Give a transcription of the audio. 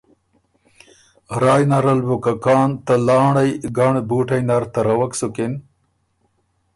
رای نر ال بُو که کان ته لانړئ ګنړ بُوټئ نر تروک سُکِن